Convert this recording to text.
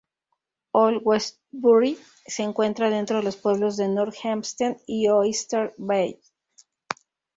Old Westbury se encuentra dentro de los pueblos de North Hempstead y Oyster Bay.